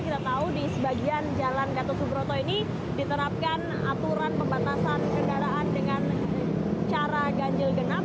kita tahu di sebagian jalan gatot subroto ini diterapkan aturan pembatasan kendaraan dengan cara ganjil genap